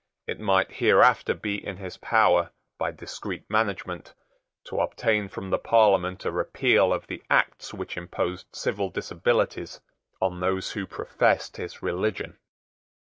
It might hereafter be in his power, by discreet management, to obtain from the Parliament a repeal of the acts which imposed civil disabilities on those who professed his religion.